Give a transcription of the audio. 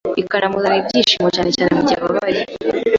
bikanamuzanira ibyishimo, cyane cyane mu gihe ababaye.